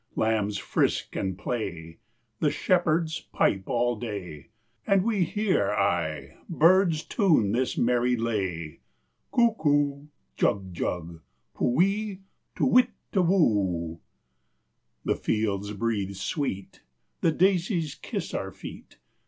Lambs frisk and play, the shepherds pipe all day, And we hear aye birds tune this, merry lay, Cuckoo, jug jug, pu we, to witta woo. The fields breathe sweet, the daisies kiss our feet.